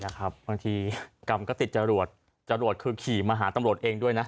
บางทีกรรมก็ติดจรวดจรวดคือขี่มาหาตำรวจเองด้วยนะ